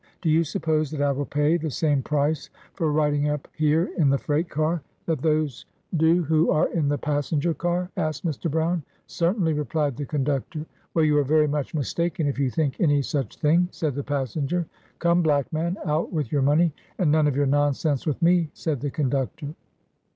" Do you suppose that I will pay the same price for riding up here in the freight car, that those do who are in the passenger car?" asked Mr. Brown. " Certainly," replied the conductor. " "Well, you are very much mistaken, if you think any such thing," said the passenger. " Come, black man, out with your money, and none of your nonsense with me," said the conductor.